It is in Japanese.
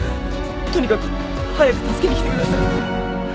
とにかく早く助けに来てください。